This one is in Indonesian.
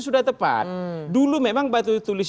sudah tepat dulu memang batu tulis